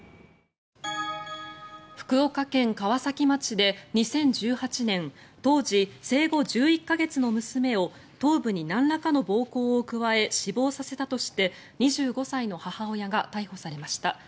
福岡県川崎町で２０１８年当時生後１１か月の娘を頭部になんらかの暴行を加え死亡させたとして２５歳の母親が逮捕されました。